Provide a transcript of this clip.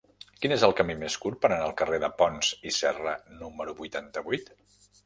Quin és el camí més curt per anar al carrer de Pons i Serra número vuitanta-vuit?